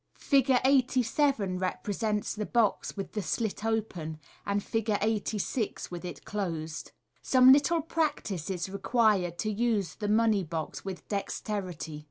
Fig. 87 represents the box with the slit open, and Fig. 86 with it closed. Some little practice is required to use the money box with dex terity.